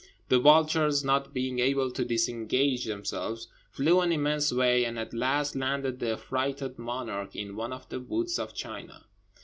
The vultures, not being able to disengage themselves, flew an immense way, and at last landed the affrighted monarch in one of the woods of China.